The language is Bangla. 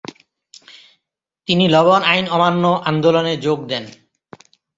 তিনি লবণ আইন অমান্য আন্দোলনে যোগ দেন।